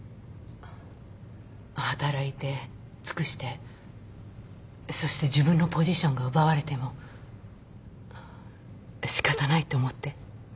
働いて尽くしてそして自分のポジションが奪われても仕方ないと思って。